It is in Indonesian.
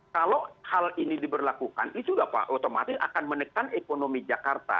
kalau hal ini diberlakukan itu otomatis akan menekan ekonomi jakarta